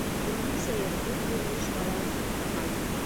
Шуныһы сәйер, был күренеш балауыҙ һыҡтырмай.